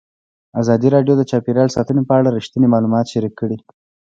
ازادي راډیو د چاپیریال ساتنه په اړه رښتیني معلومات شریک کړي.